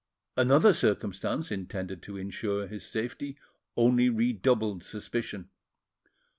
Another circumstance, intended to ensure his safety, only redoubled suspicion.